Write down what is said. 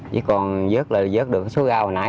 chỉ còn vớt lại vớt được số gà hồi nãy